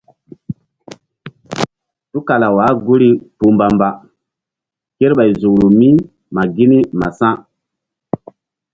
Tukala wah guri kpuh mbamba kerɓay zukru mi ma gini ma sa̧.